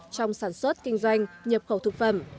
trong sản xuất kinh doanh nhập khẩu thực phẩm